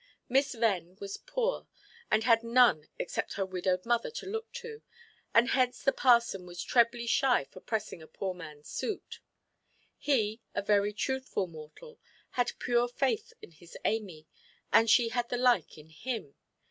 Miss Venn was poor, and had none except her widowed mother to look to, and hence the parson was trebly shy of pressing a poor manʼs suit. He, a very truthful mortal, had pure faith in his Amy, and she had the like in him.